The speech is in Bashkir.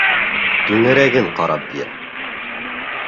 Түңәрәген ҡарап бир.